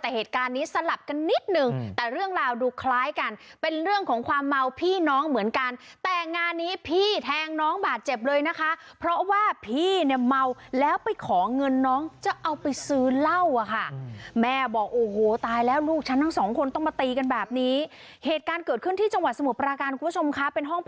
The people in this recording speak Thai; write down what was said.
แต่เหตุการณ์นี้สลับกันนิดหนึ่งแต่เรื่องราวดูคล้ายกันเป็นเรื่องของความเมาพี่น้องเหมือนกันแต่งานนี้พี่แทงน้องบาดเจ็บเลยนะคะเพราะว่าพี่เนี่ยเมาแล้วไปของเงินน้องจะเอาไปซื้อเล่าอ่ะค่ะแม่บอกโอ้โหตายแล้วลูกฉันทั้งสองคนต้องมาตีกันแบบนี้เหตุการณ์เกิดขึ้นที่จังหวัดสมุปราการคุณผู้ชมค่ะเป็นห้อง